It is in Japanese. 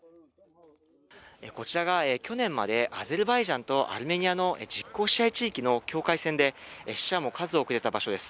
こちらが去年までアゼルバイジャンとアルメニアの実効支配地域の境界線で死者も数多く出た場所です。